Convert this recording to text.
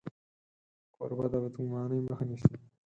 کوربه د بدګمانۍ مخه نیسي.